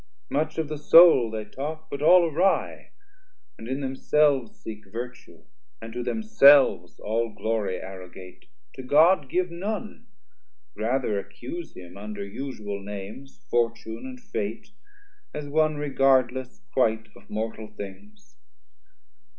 Much of the Soul they talk, but all awrie, And in themselves seek vertue, and to themselves All glory arrogate, to God give none, Rather accuse him under usual names, Fortune and Fate, as one regardless quite Of mortal things.